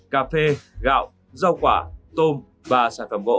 cà phê gạo rau quả tôm và sản phẩm gỗ